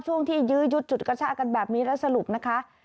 ช่วงที่ยื้อยุดจุดกระชากันแบบนี้แล้วสรุปนะคะ